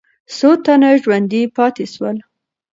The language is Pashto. څو تنه ژوندي پاتې سول؟